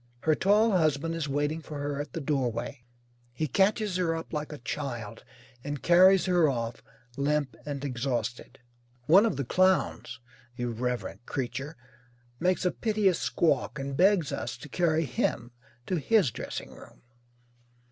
Her tall husband is waiting for her at the doorway. He catches her up like a child and carries her off, limp and exhausted. One of the clowns (irreverent creature) makes a piteous squawk and begs us to carry him to his dressing room.